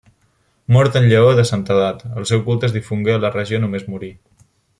Mort en llaor de santedat, el seu culte es difongué a la regió només morir.